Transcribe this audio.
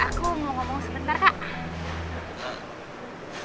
aku mau ngomong sebentar kak